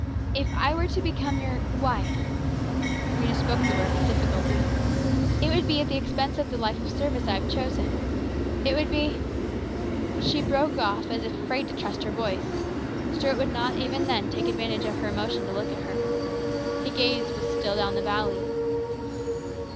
If I were to become your wife," Rhena spoke the word with difficulty, " it would be at the expense of the life of service I have chosen. It would be " 230 HIS BROTHER'S KEEPER. She broke off as if afraid to trust her voice. Stuart would not even then take advantage of her emotion to look at her. His gaze was still down the valley.